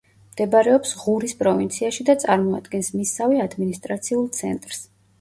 მდებარეობს ღურის პროვინციაში და წარმოადგენს მისსავე ადმინისტრაციულ ცენტრს.